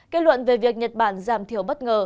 kết luận về việc nhật bản giảm thiểu bất ngờ